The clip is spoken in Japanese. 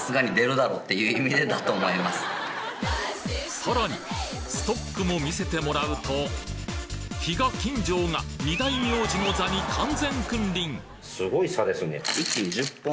さらにストックも見せてもらうと比嘉金城が２大名字の座に完全君臨！